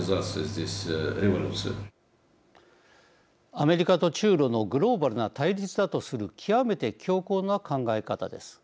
アメリカと中ロのグローバルな対立だとする極めて強硬な考え方です。